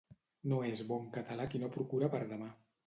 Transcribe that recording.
No és bon català qui no procura per demà.